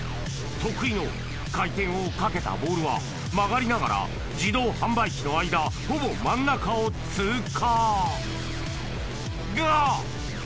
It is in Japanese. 得意の回転をかけたボールは曲がりながら自動販売機の間ほぼ真ん中を通過が！